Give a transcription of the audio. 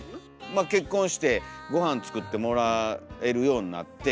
まあ結婚してごはん作ってもらえるようになって。